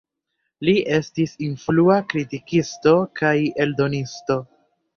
Li estis influa kritikisto kaj eldonisto.